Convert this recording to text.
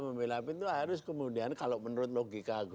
membelai api itu harus kemudian kalau menurut logika gusole